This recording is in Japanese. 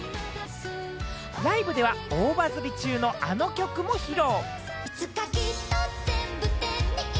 ライブでは猛バズり中のあの曲も披露。